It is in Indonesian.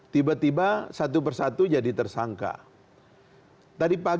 tiba tiba satu persatu jadi tersangka